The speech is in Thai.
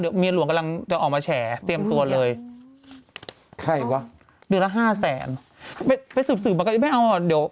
เดี๋ยวเมียหลวงกำลังจะออกมาแฉเตรียมตัวเลย